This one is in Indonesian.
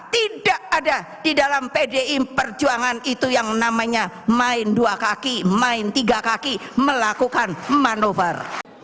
tidak ada di dalam pdi perjuangan itu yang namanya main dua kaki main tiga kaki melakukan manuver